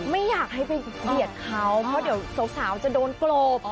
ไม่อยากให้ไปเบียดเขาเพราะเดี๋ยวสาวจะโดนโกรธ